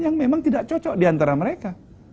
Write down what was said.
yang memang tidak cocok diantara mereka